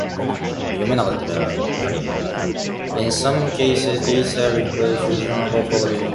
In some cases these have replaced regional bodies.